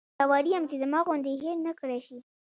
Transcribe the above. باوري یم چې زما غوندې یې هېر نکړای شي.